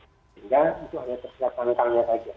sehingga itu hanya terserah tangkangnya saja